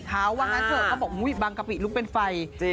วันนั้นเธอก็บอกบางกะปิลุกเป็นไฟ